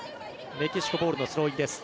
メキシコボールのスローインです。